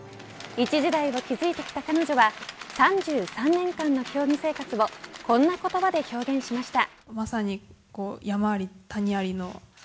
一時代を築いてきた彼女は３３年間の競技生活をこんな言葉で表現しました。